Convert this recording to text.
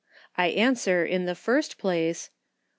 I answer in the first place, 1.